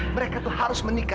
mereka tuh harus menikah